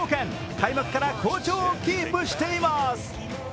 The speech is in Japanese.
開幕から好調をキープしています。